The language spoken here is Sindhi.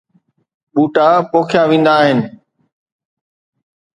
ٻوٽا پوکيا ويندا آهن